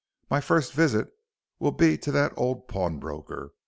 My first visit will be to that old pawnbroker.